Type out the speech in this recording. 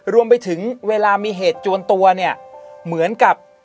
รวมไปถึงเวลามีเหตุจวนตัวเนี่ยเหมือนกับ